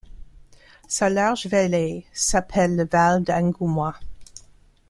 Sa large vallée s'appelle le Val d'Angoumois.